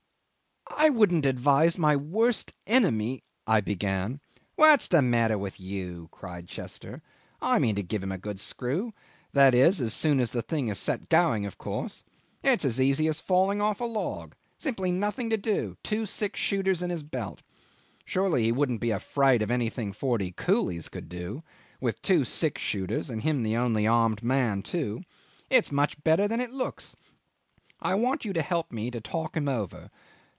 "I wouldn't advise my worst enemy ..." I began. "What's the matter with you?" cried Chester; "I mean to give him a good screw that is, as soon as the thing is set going, of course. It's as easy as falling off a log. Simply nothing to do; two six shooters in his belt ... Surely he wouldn't be afraid of anything forty coolies could do with two six shooters and he the only armed man too! It's much better than it looks. I want you to help me to talk him over."